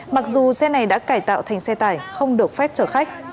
mặc dù xe này đã cải tạo thành xe tải không được phép chở khách